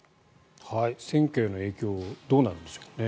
選挙への影響どうなんでしょうね。